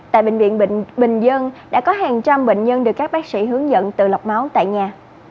tại bệnh viện bệnh dân đã có hàng trăm bệnh nhân được các bác sĩ hướng dẫn từ lọc máu tại nhà